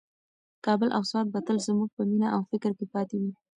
کابل او سوات به تل زموږ په مینه او فکر کې پاتې وي.